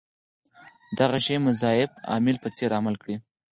دغه شي مضاعف عامل په څېر عمل کړی.